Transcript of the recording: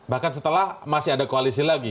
bahkan setelah masih ada koalisi lagi